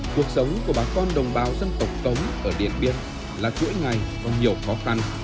cuộc sống của bà con đồng bào dân tộc cống ở điện biên là chuỗi ngày có nhiều khó khăn